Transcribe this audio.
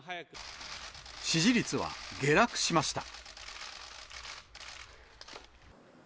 支持率は下落しました。